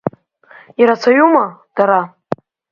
Ирацәаҩума дара?